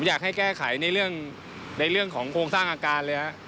อยากให้แก้ไขในเรื่องของโครงสร้างอาการเลยครับ